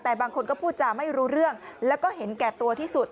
แต่บางคนก็พูดจาไม่รู้เรื่องแล้วก็เห็นแก่ตัวที่สุด